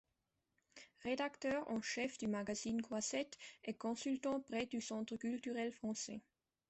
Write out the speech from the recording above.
Rédacteur en chef du magazine Croisettes et consultant près du Centre culturel français.